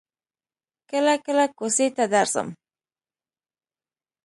کله کله کوڅې ته درځم.